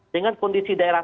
dengan kondisi daerah